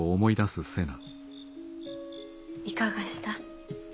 いかがした？